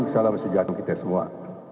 salam sejati kita semua